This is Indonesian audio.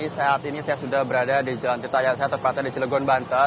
saat ini saya sudah berada di jalan tirta yasa terpatah di cilegon banten